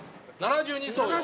７２層よ。